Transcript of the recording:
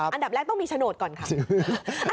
อันดับแรกต้องมีโฉนดก่อนค่ะ